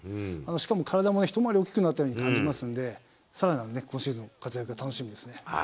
しかも体も一回り大きくなったように感じますので、さらなる今シーズン、活躍、楽しみですね。